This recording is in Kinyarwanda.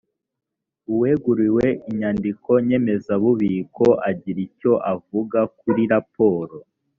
uweguriwe inyandiko nyemezabubiko agira icyo avuga kuri raporo